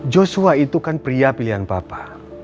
joshua itu kan pria pilihan bapak